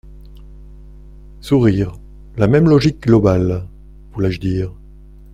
(Sourires.) La même logique globale, voulais-je dire.